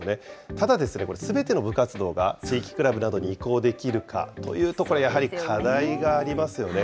ただ、これ、すべての部活動が地域クラブなどに移行できるかというと、やはり課題がありますよね。